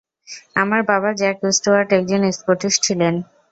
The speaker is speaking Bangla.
আমার বাবা, জ্যাক স্টুয়ার্ট, একজন স্কটিশ ছিলেন।